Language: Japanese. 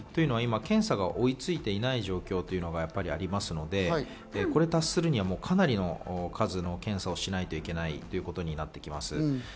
今検査が追いついていない状況というのがありますので、これに達するにはもうかなりの数の検査をしないといけないということになります。